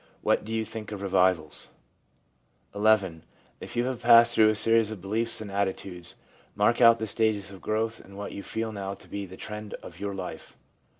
What do you think of revivals ? 'XL If you have passed through a series of beliefs and attitudes, mark out the stages of growth and what you feel now to be the trend of your life.'